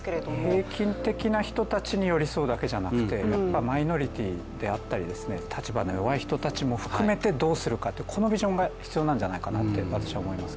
平均的な人たちに寄り添うだけじゃなくてマイノリティーであったり立場の弱い人たちも含めてどうするかというこのビジョンが必要なんじゃないかなと私は思います。